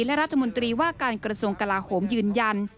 และรัฐมนตรีว่าการกระทรวงกลาโหมยืนยัน